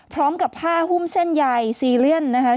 พร้อมกับผ้าหุ้มเส้นใยซีเลียนนะคะ